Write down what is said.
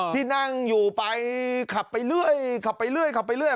ที่นั่งอยู่ไปขับไปเรื่อยขับไปเรื่อยขับไปเรื่อย